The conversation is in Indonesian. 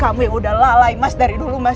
kamu yang udah lalai mas dari dulu mas